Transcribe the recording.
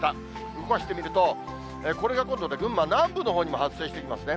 動かしてみると、これが今度、群馬南部のほうにも発生してきますね。